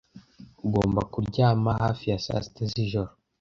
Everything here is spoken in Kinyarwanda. Ugomba kuryama. Hafi ya saa sita z'ijoro.